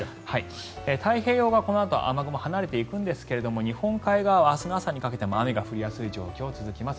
太平洋側、このあと雨雲が離れていくんですが日本海側は明日の朝にかけても雨が降りやすい状況が続きます。